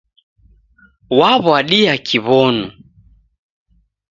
Waw'adia Kiw'onu.